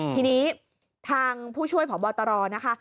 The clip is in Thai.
ทีนี้ทางผู้ช่วยผอบตรนะคะ